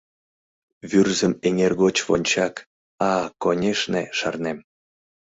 Вӱрзым эҥер гоч вончак— А-аКонешне, шарнем!